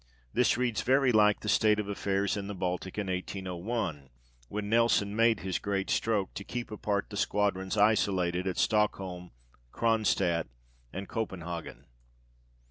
2 [This reads very like the state of affairs in the Baltic in 1801, when Nelson made his great stroke, to keep apart the squadrons isolated at Stockholm, Cronstadt, and Copenhagen.